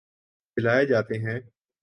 جلائے جاتے ہیں